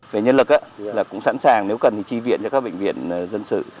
về nhân lực là cũng sẵn sàng nếu cần thì tri viện cho các bệnh viện dân sự